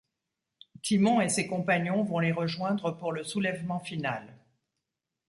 Timon et ses compagnons vont les rejoindre pour le soulèvement final.